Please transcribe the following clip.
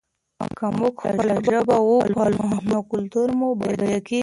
که موږ خپله ژبه وپالو نو کلتور مو بډایه کېږي.